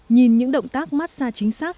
nhìn những động tác massa chính xác